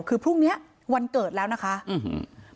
คือพรุ่งเนี้ยวันเกิดแล้วนะคะอืม